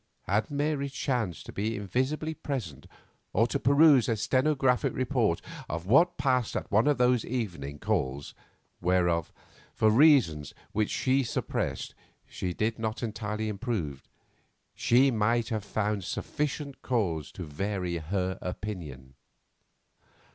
Had Mary chanced to be invisibly present, or to peruse a stenographic report of what passed at one of these evening calls—whereof, for reasons which she suppressed, she did not entirely approve—she might have found sufficient cause to vary her opinion.